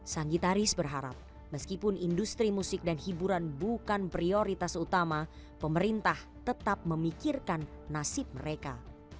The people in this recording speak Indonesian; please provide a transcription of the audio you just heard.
sang gitaris berharap meskipun industri musik dan hiburan bukan prioritas utama pemerintah tetap memikirkan nasib mereka